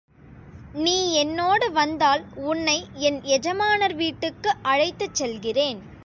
நீ என்னோடு வந்தால், உன்னை என் எஜமானர் வீட்டுக்கு அழைத்துச் செல்கிறேன்.